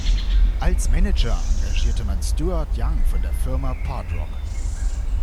Als Manager engagierte man Stewart Young von der Firma Part Rock.